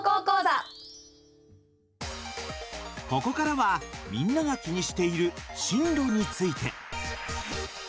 ここからはみんなが気にしている進路について。